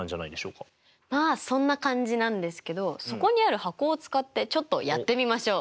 まあそんな感じなんですけどそこにある箱を使ってちょっとやってみましょう。